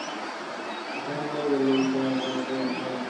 পরিসংখ্যানগতভাবে জেলাটির বিশাল আয়তনের কারণে জনসংখ্যার ঘনত্ব সবচেয়ে কম।